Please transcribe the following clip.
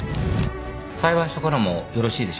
裁判所からもよろしいでしょうか。